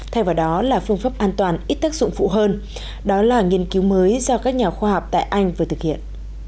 thay vào đó là phương pháp an toàn ít tác dụng phụ hơn đó là nghiên cứu mới do các nhà khoa học tại anh vừa thực hiện